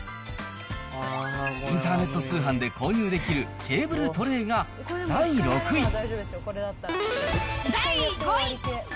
インターネット通販で購入できるケーブルトレーが第６位。